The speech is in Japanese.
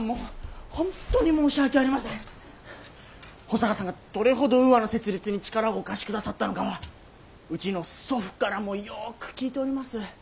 保坂さんがどれほどウーアの設立に力をお貸しくださったのかはうちの祖父からもよく聞いております。